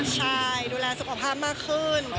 ใช่ดูแลสุขภาพมากขึ้น